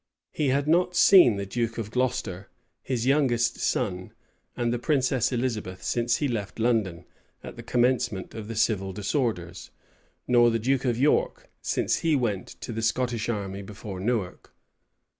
[*] He had not seen the duke of Gloucester, his youngest son, and the princess Elizabeth, since he left London, at the commencement of the civil disorders;[] nor the duke of York, since he went to the Scottish army before Newark.